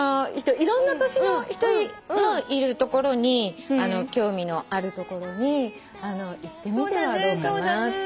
いろんな年の人のいるところに興味のあるところに行ってみてはどうかなって。